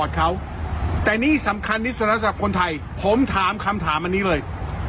แต่นี่สำคัญนิสรสำหรับคนไทยผมถามคำถามอันนี้เลย